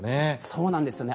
そうなんですよね。